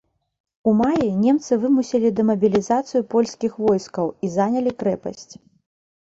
У маі немцы вымусілі дэмабілізацыю польскіх войскаў і занялі крэпасць.